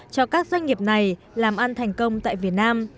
cho các doanh nghiệp này làm ăn thành công tại việt nam